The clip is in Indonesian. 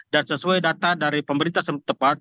dan sesuai data dari pemerintah tepat